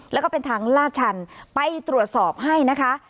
แล้วก็เป็นทางลาดชันไปตรวจสอบให้นะคะ